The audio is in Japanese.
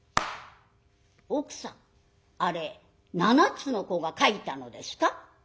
「奥さんあれ７つの子が書いたのですか？」。